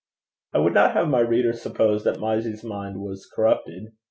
I would not have my reader suppose that Mysie's mind was corrupted.